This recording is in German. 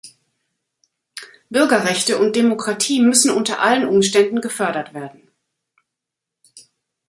Bürgerrechte und Demokratie müssen unter allen Umständen gefördert werden.